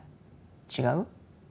違う？